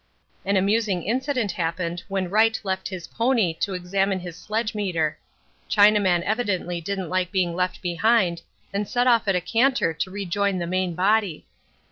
An amusing incident happened when Wright left his pony to examine his sledgemeter. Chinaman evidently didn't like being left behind and set off at a canter to rejoin the main body.